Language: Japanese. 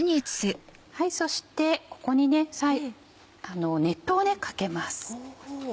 そしてここに熱湯をかけます。